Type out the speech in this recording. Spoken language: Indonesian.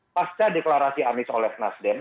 pasca deklarasi anies oleh nasdem